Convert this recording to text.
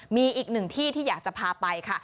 มีอีกหนึ่งที่ที่อยากจะพาไปค่ะ